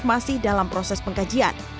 masih dalam proses pengkajian